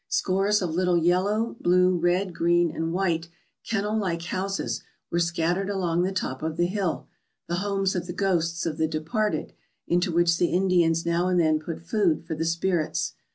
Scores of little yellow, blue, red, green, and white kennel like houses were scattered along the top of the hill, the homes of the ghosts of the departed, into which the Indians now and then put food for the spirits.